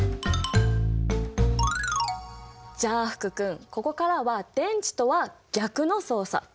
じゃあ福君ここからは電池とは逆の操作。